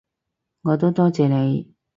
我都多謝你